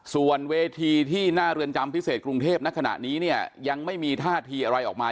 ส่วนเวทีที่หน้าเรือนจำพิเศษกรุงเทพณขณะนี้เนี่ยยังไม่มีท่าทีอะไรออกมา